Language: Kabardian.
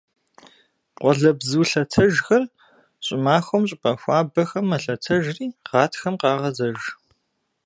Къуалэбзу лъэтэжхэр щӀымахуэм щӀыпӀэ хуабэхэм мэлъэтэжри гъатхэм къагъэзэж.